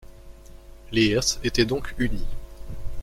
Leers était donc uni.